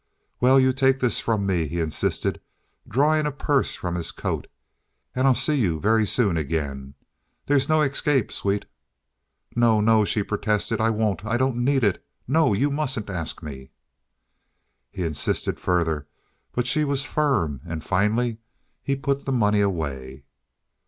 "Well, you take this from me," he insisted, drawing a purse from his coat. "And I'll see you very soon again. There's no escape, sweet." "No, no," she protested. "I won't. I don't need it. No, you mustn't ask me." He insisted further, but she was firm, and finally he put the money away.